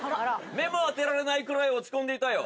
目も当てられないくらい落ち込んでいたよ